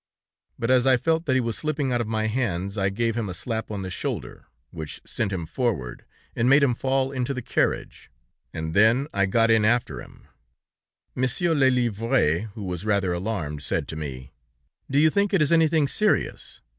But as I felt that he was slipping out of my hands, I gave him a slap on the shoulder, which sent him forward and made him fall into the carriage, and then I got in after him. Monsieur Lelièvre, who was rather alarmed, said to me: 'Do you think it is anything serious?'